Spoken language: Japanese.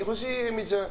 咲ちゃん